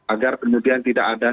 agar kemudian tidak ada